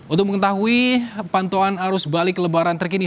untuk mengetahui pantauan arus balik lebaran terkini